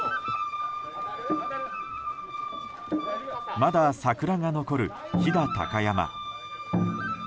まだ桜が残る飛騨・高山。